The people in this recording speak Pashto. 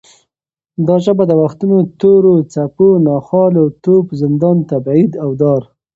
دا ژبه د وختونو تورو څپو، ناخوالو، توپ، زندان، تبعید او دار